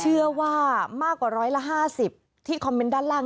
เชื่อว่ามากกว่าร้อยละ๕๐ที่คอมเมนต์ด้านล่าง